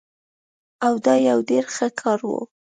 او دا يو ډير ښه کار وو